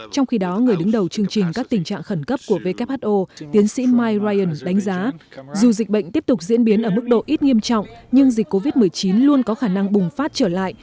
trong khi đó người đứng đầu chương trình các tình trạng khẩn cấp của who tiến sĩ mike ryan đánh giá dù dịch bệnh tiếp tục diễn biến ở mức độ ít nghiêm trọng nhưng dịch covid một mươi chín luôn có khả năng bùng phát trở lại